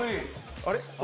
あれ？